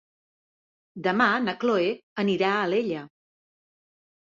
Demà na Chloé anirà a Alella.